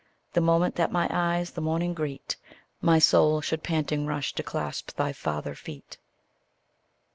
The moment that my eyes the morning greet, My soul should panting rush to clasp thy father feet.